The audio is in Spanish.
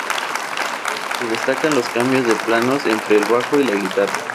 Se destacan los cambios de planos entre el bajo y la guitarra.